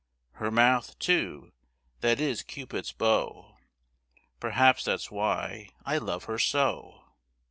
Her mouth, too, that is Cupid's bow Perhaps that's why I love her so.